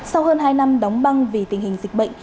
sau hơn hai năm đóng băng vì tình hình dịch bệnh